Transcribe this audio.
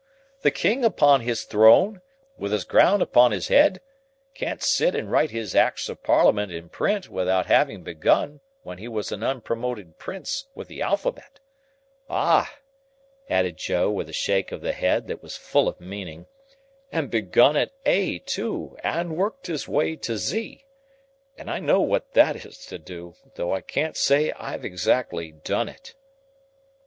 The king upon his throne, with his crown upon his ed, can't sit and write his acts of Parliament in print, without having begun, when he were a unpromoted Prince, with the alphabet.—Ah!" added Joe, with a shake of the head that was full of meaning, "and begun at A too, and worked his way to Z. And I know what that is to do, though I can't say I've exactly done it."